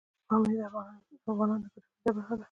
پامیر د افغانانو د ګټورتیا برخه ده.